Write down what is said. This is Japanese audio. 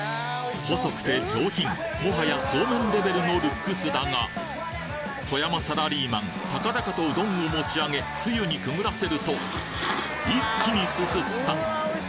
細くて上品もはや素麺レベルのルックスだが富山サラリーマン高々とうどんを持ち上げつゆにくぐらせると一気にすすった！